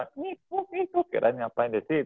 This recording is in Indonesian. kira kira nyapain desi abis bulan